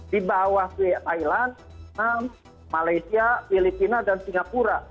di bawah thailand vietnam malaysia filipina dan singapura